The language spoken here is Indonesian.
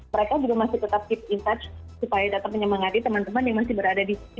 mereka juga masih tetap keep in touch supaya tetap menyemangati teman teman yang masih berada di sini